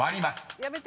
やめて。